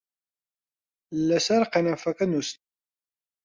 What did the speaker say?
لەسەر قەنەفەکە نووست